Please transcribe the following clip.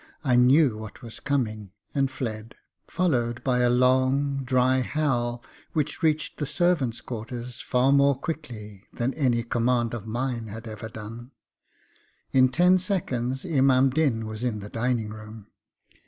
I knew what was coming, and fled, followed by a long, dry howl which reached the servants' quarters far more quickly than any command of mine had ever done. In ten seconds Imam Din was in the dining room.